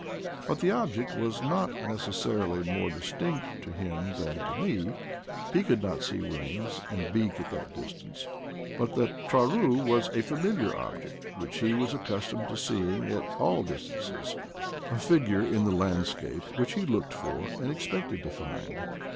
But the object was not neces sarily more distinct to him than to me; he could not see wings and beak at that distance; but the traru was a familiar object, which he was accus tomed to see at all distances — a figure in the land scape which he looked for and expected to find.